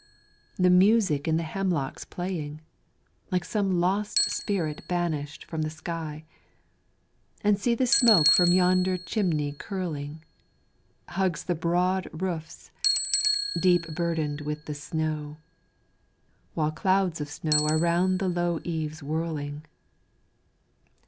the music in the hemlocks playing, Like some lost spirit banished from the sky, And see the smoke from yonder chimney curling, Hugs the broad roofs, deep burden'd with the snow, While clouds of snow are round the low eaves whirling.